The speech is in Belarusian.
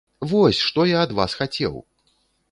Вось што я ад вас хацеў!